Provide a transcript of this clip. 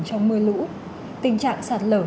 trong mưa lũ tình trạng sạt lở